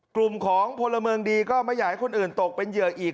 กลุ่มของพลเมืองดีก็ไม่อยากให้คนอื่นตกเป็นเหยื่ออีก